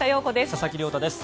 佐々木亮太です。